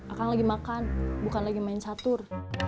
akan lagi makan bukan lagi main catur